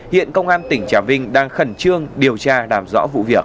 hiện công an tỉnh trà vinh đang khẩn trương điều tra làm rõ vụ việc